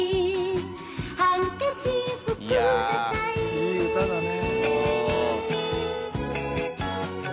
いい歌だね。